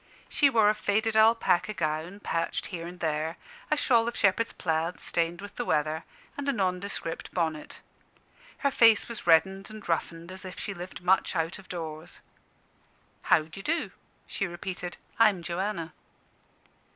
She wore a faded alpaca gown, patched here and there, a shawl of shepherd's plaid stained with the weather, and a nondescript bonnet. Her face was red and roughened, as if she lived much out of doors. "How d'ye do?" she repeated "I'm Joanna."